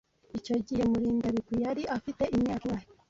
Icyo gihe Murindabigwi yari afite imyaka ingahe?